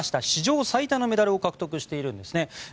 史上最多のメダルを獲得しているんですね。